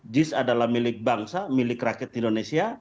jis adalah milik bangsa milik rakyat indonesia